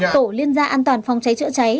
tổ liên gia an toàn phòng cháy chữa cháy